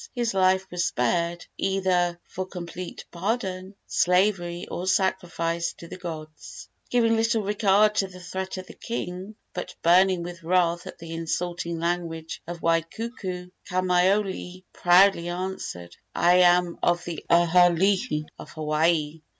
his life was spared, either for complete pardon, slavery or sacrifice to the gods. Giving little regard to the threat of the king, but burning with wrath at the insulting language of Waikuku, Kamaiole proudly answered: "I am of the aha alii of Hawaii.